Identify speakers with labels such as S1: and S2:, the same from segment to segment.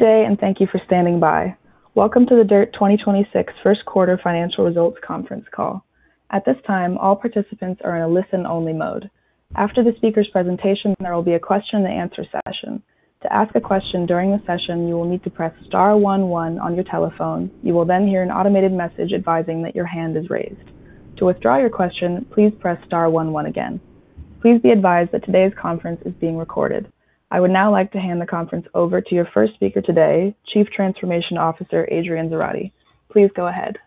S1: Good day, and thank you for standing by. Welcome to the DIRTT 2026 first quarter financial results conference call. At this time, all participants are in a listen-only mode. After the speaker's presentation, there will be a question and answer session. Please be advised that today's conference is being recorded. I would now like to hand the conference over to your first speaker today, Chief Transformation Officer, Adrian Zarate. Please go ahead.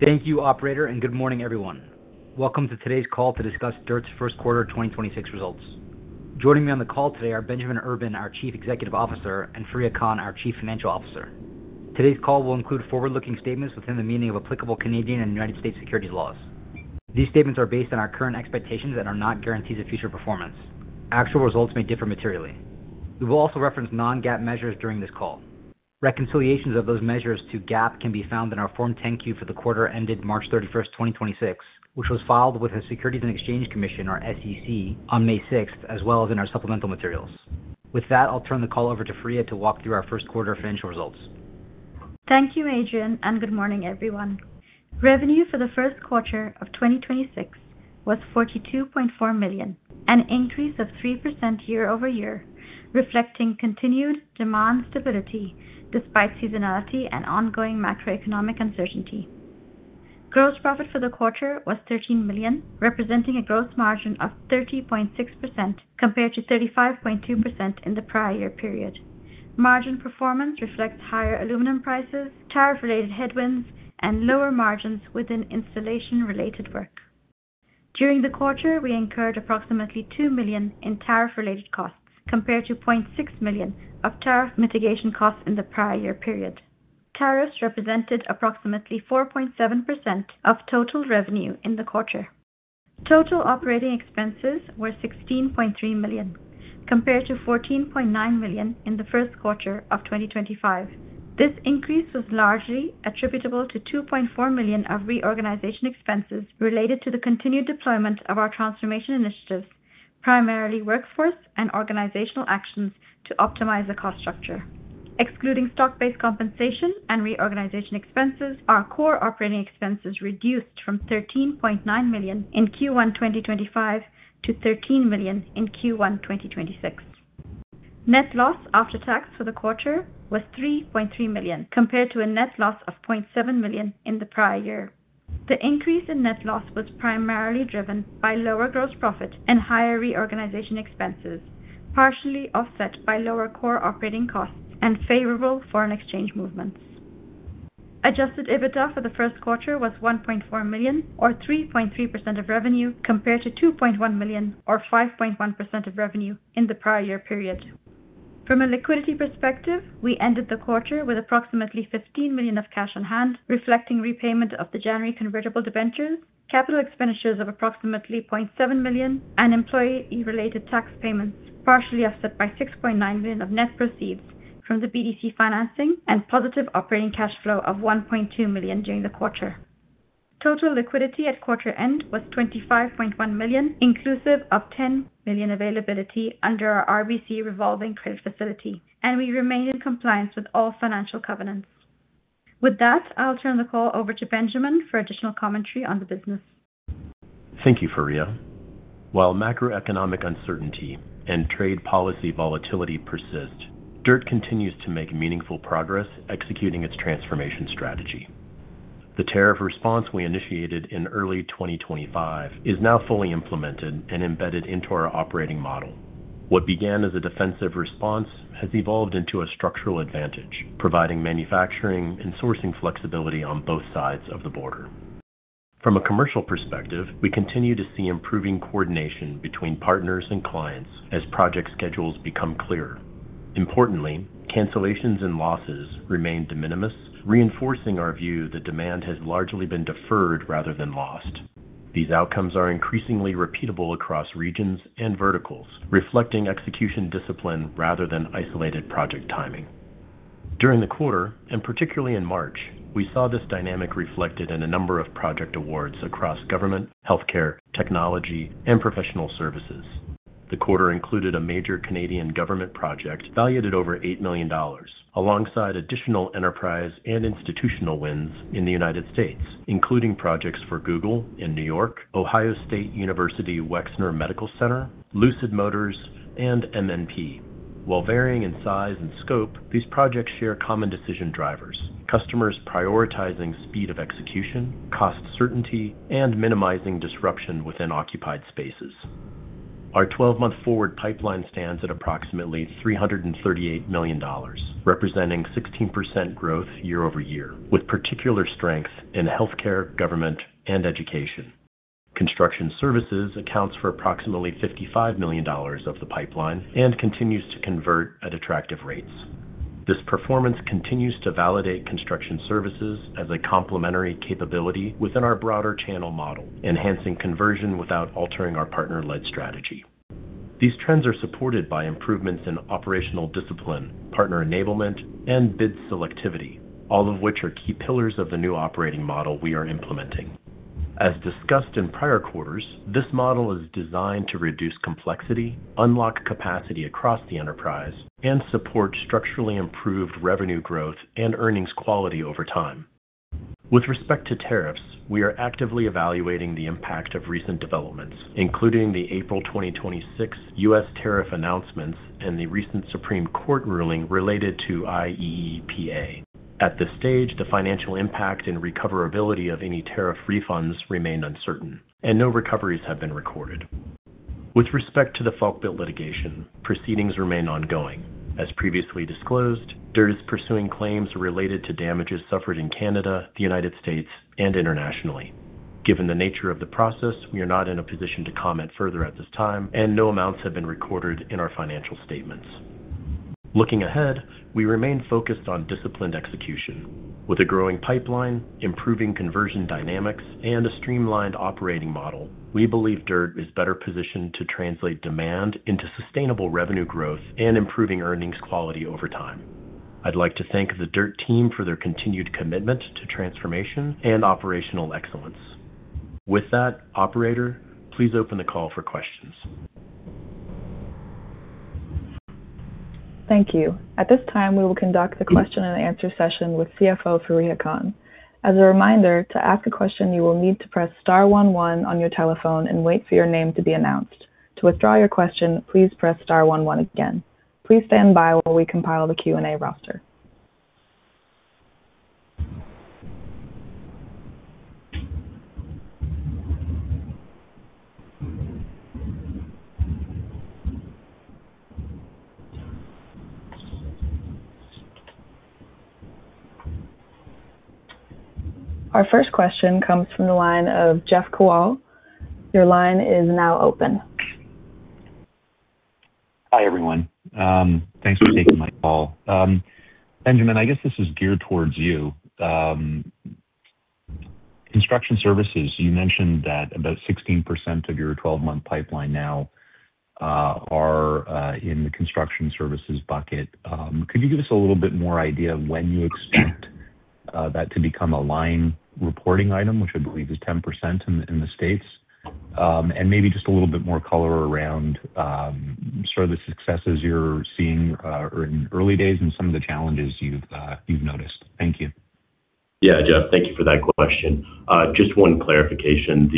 S2: Thank you, operator, and good morning, everyone. Welcome to today's call to discuss DIRTT's first quarter 2026 results. Joining me on the call today are Benjamin Urban, our Chief Executive Officer, and Fareeha Khan, our Chief Financial Officer. Today's call will include forward-looking statements within the meaning of applicable Canadian and United States securities laws. These statements are based on our current expectations and are not guarantees of future performance. Actual results may differ materially. We will also reference non-GAAP measures during this call. Reconciliations of those measures to GAAP can be found in our Form 10-Q for the quarter ended March 31, 2026, which was filed with the Securities and Exchange Commission, or SEC, on May 6, as well as in our supplemental materials. With that, I'll turn the call over to Fareeha to walk through our first quarter financial results.
S3: Thank you, Adrian, and good morning, everyone. Revenue for the first quarter of 2026 was 42.4 million, an increase of 3% year-over-year, reflecting continued demand stability despite seasonality and ongoing macroeconomic uncertainty. Gross profit for the quarter was 13 million, representing a gross margin of 30.6% compared to 35.2% in the prior year period. Margin performance reflects higher aluminum prices, tariff-related headwinds, and lower margins within installation-related work. During the quarter, we incurred approximately 2 million in tariff-related costs compared to 0.6 million of tariff mitigation costs in the prior year period. Tariffs represented approximately 4.7% of total revenue in the quarter. Total operating expenses were 16.3 million, compared to 14.9 million in the first quarter of 2025. This increase was largely attributable to 2.4 million of reorganization expenses related to the continued deployment of our transformation initiatives, primarily workforce and organizational actions to optimize the cost structure. Excluding stock-based compensation and reorganization expenses, our core operating expenses reduced from 13.9 million in Q1 2025 to 13 million in Q1 2026. Net loss after tax for the quarter was 3.3 million, compared to a net loss of 0.7 million in the prior year. The increase in net loss was primarily driven by lower gross profit and higher reorganization expenses, partially offset by lower core operating costs and favorable foreign exchange movements. Adjusted EBITDA for the first quarter was 1.4 million or 3.3% of revenue compared to 2.1 million or 5.1% of revenue in the prior year period. From a liquidity perspective, we ended the quarter with approximately 15 million of cash on hand, reflecting repayment of the January convertible debentures, capital expenditures of approximately 0.7 million and employee related tax payments, partially offset by 6.9 million of net proceeds from the BDC financing and positive operating cash flow of 1.2 million during the quarter. Total liquidity at quarter end was 25.1 million, inclusive of 10 million availability under our RBC revolving credit facility, and we remain in compliance with all financial covenants. With that, I'll turn the call over to Benjamin for additional commentary on the business.
S4: Thank you, Fareeha. While macroeconomic uncertainty and trade policy volatility persist, DIRTT continues to make meaningful progress executing its transformation strategy. The tariff response we initiated in early 2025 is now fully implemented and embedded into our operating model. What began as a defensive response has evolved into a structural advantage, providing manufacturing and sourcing flexibility on both sides of the border. From a commercial perspective, we continue to see improving coordination between partners and clients as project schedules become clearer. Importantly, cancellations and losses remain de minimis, reinforcing our view that demand has largely been deferred rather than lost. These outcomes are increasingly repeatable across regions and verticals, reflecting execution discipline rather than isolated project timing. During the quarter, particularly in March, we saw this dynamic reflected in a number of project awards across government, healthcare, technology, and professional services. The quarter included a major Canadian government project valued at over 8 million dollars, alongside additional enterprise and institutional wins in the United States, including projects for Google in New York, The Ohio State University Wexner Medical Center, Lucid Motors, and MNP. While varying in size and scope, these projects share common decision drivers, customers prioritizing speed of execution, cost certainty, and minimizing disruption within occupied spaces. Our 12-month forward pipeline stands at approximately 338 million dollars, representing 16% growth year-over-year, with particular strength in healthcare, government, and education. Construction services accounts for approximately 55 million dollars of the pipeline and continues to convert at attractive rates. This performance continues to validate construction services as a complementary capability within our broader channel model, enhancing conversion without altering our partner-led strategy. These trends are supported by improvements in operational discipline, partner enablement, and bid selectivity, all of which are key pillars of the new operating model we are implementing. As discussed in prior quarters, this model is designed to reduce complexity, unlock capacity across the enterprise, and support structurally improved revenue growth and earnings quality over time. With respect to tariffs, we are actively evaluating the impact of recent developments, including the April 2026 U.S. tariff announcements and the recent Supreme Court ruling related to IEEPA. At this stage, the financial impact and recoverability of any tariff refunds remain uncertain, and no recoveries have been recorded. With respect to the Falkbuilt litigation, proceedings remain ongoing. As previously disclosed, DIRTT is pursuing claims related to damages suffered in Canada, the United States, and internationally. Given the nature of the process, we are not in a position to comment further at this time, and no amounts have been recorded in our financial statements. Looking ahead, we remain focused on disciplined execution. With a growing pipeline, improving conversion dynamics, and a streamlined operating model, we believe DIRTT is better positioned to translate demand into sustainable revenue growth and improving earnings quality over time. I'd like to thank the DIRTT team for their continued commitment to transformation and operational excellence. With that, operator, please open the call for questions.
S1: Thank you. At this time, we will conduct the question and answer session with CFO Fareeha Khan. As a reminder, to ask a question, you will need to press star one one on your telephone and wait for your name to be announced. To withdraw your question, please press star one one again. Please stand by while we compile the Q&A roster. Our first question comes from the line of Jeff Kuwal. Your line is now open.
S5: Hi, everyone. Thanks for taking my call. Benjamin, I guess this is geared towards you. Construction services, you mentioned that about 16% of your 12-month pipeline now, are in the construction services bucket. Could you give us a little bit more idea of when you expect that to become a line reporting item, which I believe is 10% in the U.S.? Maybe just a little bit more color around sort of the successes you're seeing in early days and some of the challenges you've noticed. Thank you.
S4: Yeah. Jeff, thank you for that question. Just one clarification.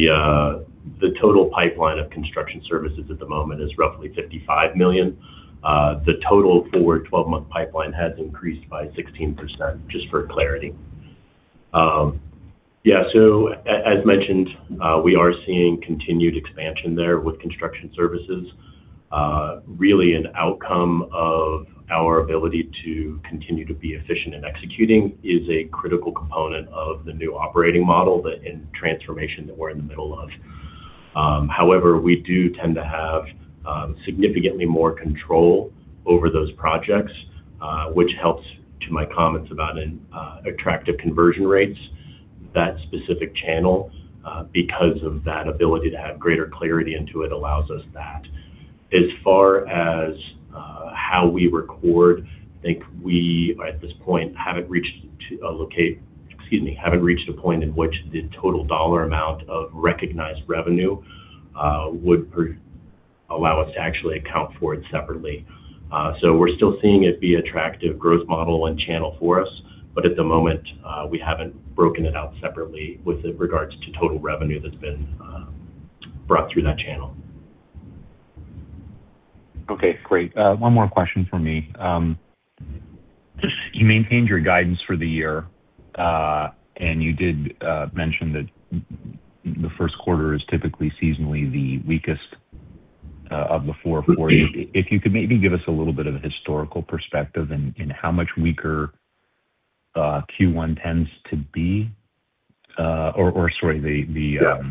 S4: The total pipeline of construction services at the moment is roughly 55 million. The total forward 12-month pipeline has increased by 16%, just for clarity. Yeah. As mentioned, we are seeing continued expansion there with construction services. Really an outcome of our ability to continue to be efficient in executing is a critical component of the new operating model that in transformation that we're in the middle of. However, we do tend to have significantly more control over those projects, which helps to my comments about an attractive conversion rates. That specific channel, because of that ability to have greater clarity into it allows us that. As far as how we record, I think we, at this point, excuse me, haven't reached a point in which the total dollar amount of recognized revenue would allow us to actually account for it separately. We're still seeing it be attractive growth model and channel for us. At the moment, we haven't broken it out separately with regards to total revenue that's been brought through that channel.
S5: Okay, great. One more question from me. You maintained your guidance for the year, and you did mention that the first quarter is typically seasonally the weakest of the four for you. If you could maybe give us a little bit of a historical perspective in how much weaker Q1 tends to be, or sorry, the.
S4: Yeah.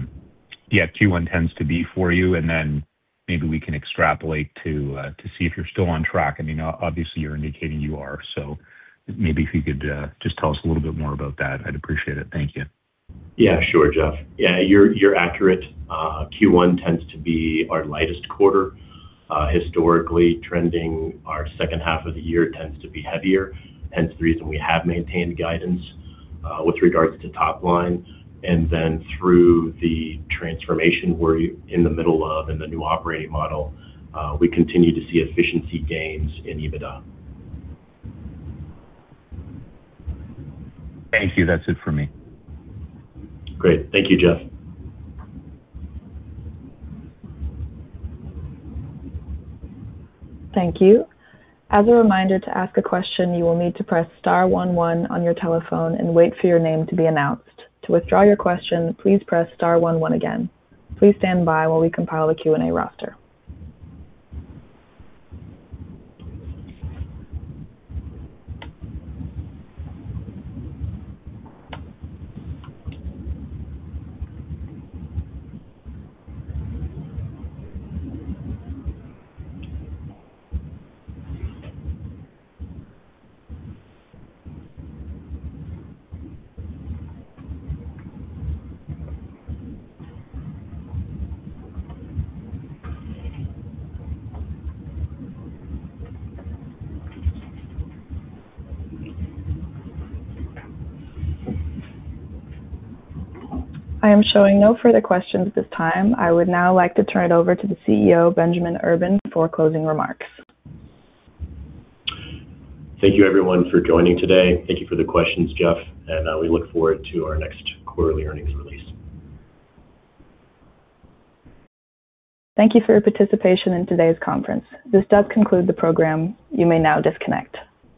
S5: Yeah, Q1 tends to be for you. Then maybe we can extrapolate to see if you're still on track. I mean, obviously, you're indicating you are. Maybe if you could, just tell us a little bit more about that, I'd appreciate it. Thank you.
S4: Yeah, sure, Jeff. Yeah, you're accurate. Q1 tends to be our lightest quarter. Historically trending our second half of the year tends to be heavier, hence the reason we have maintained guidance with regards to top line. Through the transformation we're in the middle of and the new operating model, we continue to see efficiency gains in EBITDA.
S5: Thank you. That's it for me.
S4: Great. Thank you, Jeff.
S1: Thank you. As a reminder, to ask a question, you will need to press star one one on your telephone and wait for your name to be announced. To withdraw your question, please press star one one again. Please stand by while we compile the Q&A roster. I am showing no further questions at this time. I would now like to turn it over to the CEO, Benjamin Urban, for closing remarks.
S4: Thank you everyone for joining today. Thank you for the questions, Jeff. We look forward to our next quarterly earnings release.
S1: Thank you for your participation in today's conference. This does conclude the program. You may now disconnect.